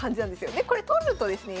でこれ取るとですね